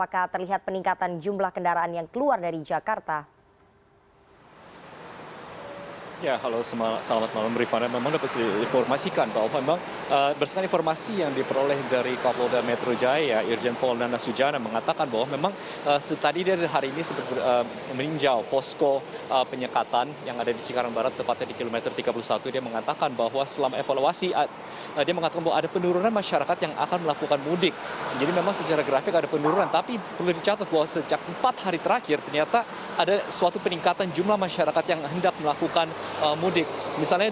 kemenangan pada hari raya idul fitri nantinya